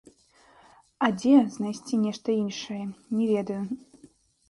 А дзе знайсці нешта іншае, не ведаю.